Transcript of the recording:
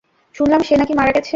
শুনলাম সে নাকি মারা গেছে।